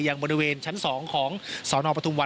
ยังบริเวณชั้น๒ของสนปทุมวัน